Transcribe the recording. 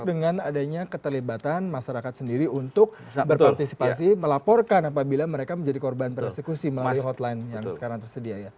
dengan adanya keterlibatan masyarakat sendiri untuk berpartisipasi melaporkan apabila mereka menjadi korban persekusi melalui hotline yang sekarang tersedia ya